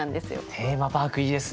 テーマパークいいですねえ。